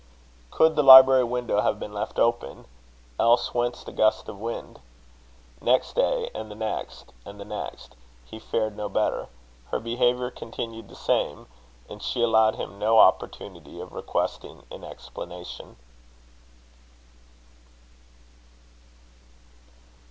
Could the library window have been left open? Else whence the gust of wind? Next day, and the next, and the next, he fared no better: her behaviour continued the same; and she allowed him no opportunity of requesting an explanation.